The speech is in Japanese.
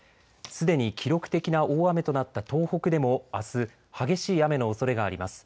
すでに記録的な大雨となった東北でもあす、激しい雨のおそれがあります。